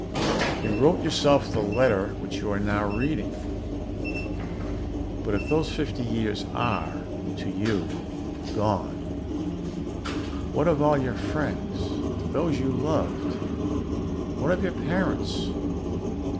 You wrote yourself the letter which you are now reading. But if those fifty years are to you gone, what of all your friends, those you loved? What of your parents?